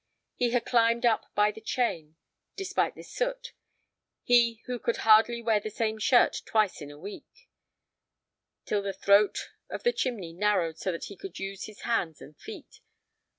He had climbed up by the chain, despite the soot—he who could hardly wear the same shirt twice in a week—till the throat of the chimney narrowed so that he could use his hands and feet.